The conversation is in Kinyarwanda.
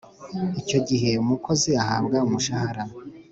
icyo gihe umukozi ahabwa umushahara